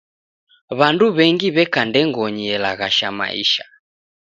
W'andu w'endi w'eka ndengonyi elaghasha maisha.